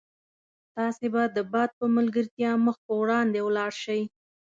تاسي به د باد په ملګرتیا مخ په وړاندې ولاړ شئ.